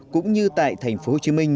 cũng như tại tp hcm